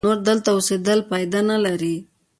نور دلته اوسېدل پایده نه لري.